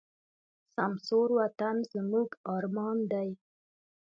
سمسور وطن زموږ ارمان دی.